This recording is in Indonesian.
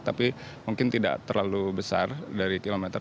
tapi mungkin tidak terlalu besar dari kilometer